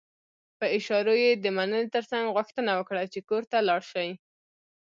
په اشارو يې د مننې ترڅنګ غوښتنه وکړه چې کور ته لاړ شي.